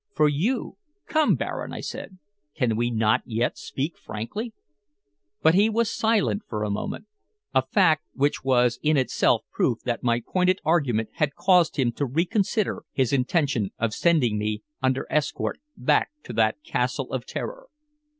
"For you. Come, Baron," I said, "can we not yet speak frankly?" But he was silent for a moment, a fact which was in itself proof that my pointed argument had caused him to reconsider his intention of sending me under escort back to that castle of terror.